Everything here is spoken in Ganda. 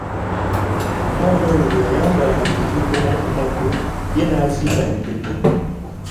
Omwana oyo bwe yayambalanga ebikomo ku magulu ye n’aziyita endege.